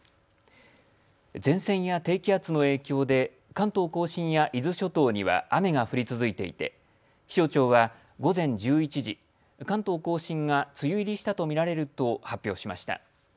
前線や低気圧の影響で関東甲信や伊豆諸島には雨が降り続いていて気象庁は午前１１時、関東甲信が梅雨入りしたと見られると発表しました。